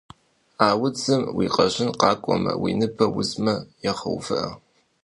А удзым уи къэжьын къакӏуэмэ, уи ныбэр узмэ, егъэувыӏэ.